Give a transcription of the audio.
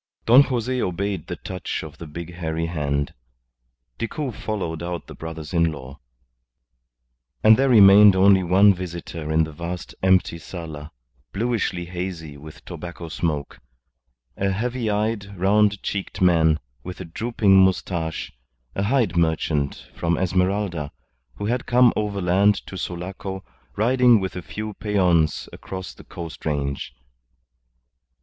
Don Jose obeyed the touch of the big hairy hand. Decoud followed out the brothers in law. And there remained only one visitor in the vast empty sala, bluishly hazy with tobacco smoke, a heavy eyed, round cheeked man, with a drooping moustache, a hide merchant from Esmeralda, who had come overland to Sulaco, riding with a few peons across the coast range.